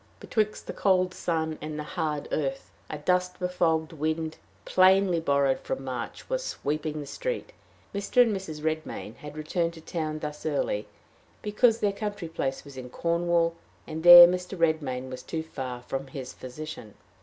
Betwixt the cold sun and the hard earth, a dust befogged wind, plainly borrowed from March, was sweeping the street. Mr. and Mrs. Redmain had returned to town thus early because their country place was in Cornwall, and there Mr. Redmain was too far from his physician.